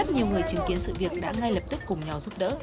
nhiều người chứng kiến sự việc đã ngay lập tức cùng nhau giúp đỡ